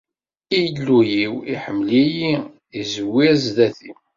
Illu-iw iḥemmel-iyi, izewwir sdat-i.